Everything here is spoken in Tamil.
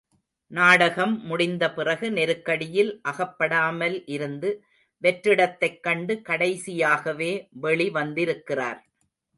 நாடகம் முடிந்தபிறகு நெருக்கடியில் அகப்படாமல் இருந்து, வெற்றிடத்தைக்கண்டு கடைசியாகவே வெளி வந்திருக்கிறார்.